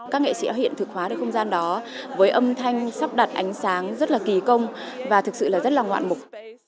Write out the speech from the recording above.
các nghệ sĩ hiện thực hóa được không gian đó với âm thanh sắp đặt ánh sáng rất là kỳ công và thực sự là rất là ngoạn mục